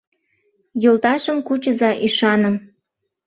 Йолташым кучыза ӱшаным